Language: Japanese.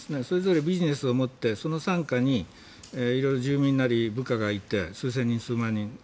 それぞれビジネスを持ってその傘下にいろいろ住民なり部下がいて、数千人、数万人。